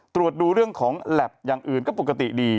ตรวจดูเรื่องของแล็บอย่างอื่นก็ปกติดี